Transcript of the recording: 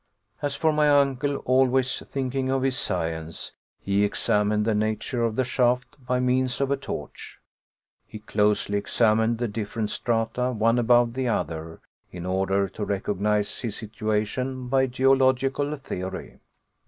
As for my uncle, always thinking of his science, he examined the nature of the shaft by means of a torch. He closely examined the different strata one above the other, in order to recognize his situation by geological theory.